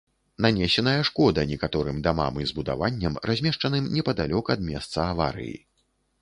Нанесеная шкода некаторым дамам і збудаванням, размешчаным непадалёк ад месца аварыі.